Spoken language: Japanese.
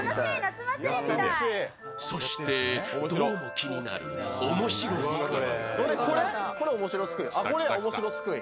そして、どうも気になる「おもしろすくい」。